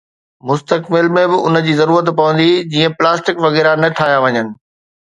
مستقبل ۾ به ان جي ضرورت پوندي، جيئن پلاسٽڪ وغيره نه ٺاهيا وڃن